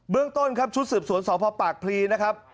เรื่องต้นครับชุดสืบสวนสพปากพลีนะครับ